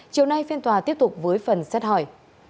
chiều nay phiên tòa tiếp tục với phần xét hỏi